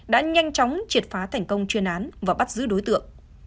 đã nhanh chóng triệt phá thành công chuyên án và bắt giữ đối tượng